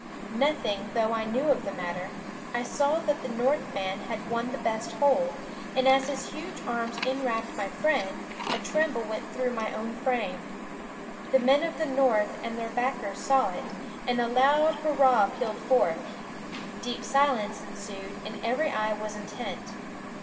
Nothing though I knew of the matter, I saw that the North man had won the best hold, and as his huge arms enwrapped my friend, a tremble went through my own frame. The men of the North and their backers saw it, and a loud hurrah pealed forth; deep silence ensued, and every eye was intent.